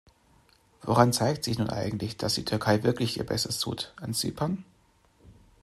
Woran zeigt sich nun eigentlich, dass die Türkei wirklich ihr Bestes tut? An Zypern?